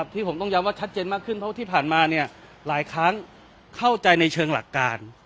ที่ผมต้องย้ำว่าชัดเจนมากขึ้นเพราะที่ผ่านมาหลายครั้งเข้าใจในเชิงหลักการ